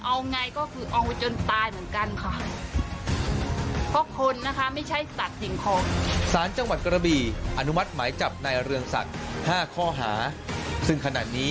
เอาอย่างไรก็คือเอาไว้จนตายเหมือนกันค่ะ